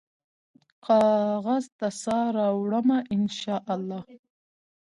کاغذ ته سا راوړمه ، ان شا الله